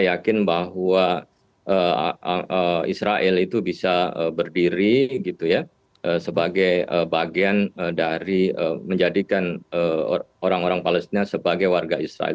saya yakin bahwa israel itu bisa berdiri gitu ya sebagai bagian dari menjadikan orang orang palestina sebagai warga israel